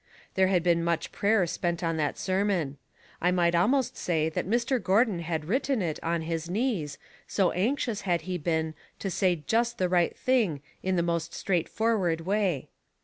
There had been much prayer spent on that sermon. I might almost say that Mr. Gordon had written it on his knees, so anxious had he been to say just the right thing in the most straightforward way.